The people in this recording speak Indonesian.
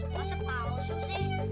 masa pausu sih